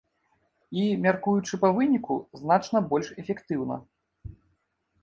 І, мяркуючы па выніку, значна больш эфектыўна.